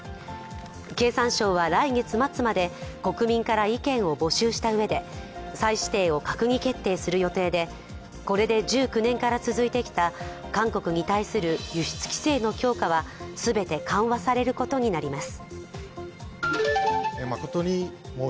経産省は来月末まで、国民から意見を募集したうえで再指定を閣議決定する予定でこれで１９年から続いてきた韓国に対する輸出規制の強化は全て緩和されることになります。